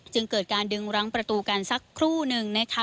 จึงเกิดการดึงรั้งประตูกันสักครู่นึงนะคะ